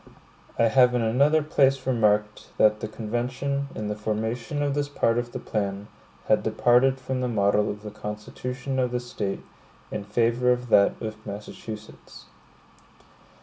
(1) I have in another place remarked, that the convention, in the formation of this part of their plan, had departed from the model of the constitution of this State, in favor of that of Massachusetts.